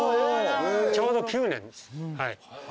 ちょうど９年です。